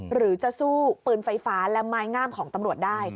หรือจะสู้ปืนไฟฟ้าและไม้งามของตำรวจได้